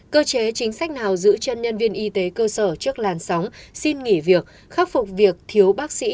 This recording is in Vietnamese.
cơ chế chính sách nào giữ chân nhân viên y tế cơ sở trước làn sóng xin nghỉ việc khắc phục việc thiếu bác sĩ